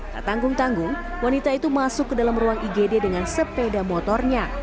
tak tanggung tanggung wanita itu masuk ke dalam ruang igd dengan sepeda motornya